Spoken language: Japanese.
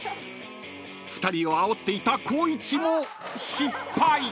［２人をあおっていた光一も失敗］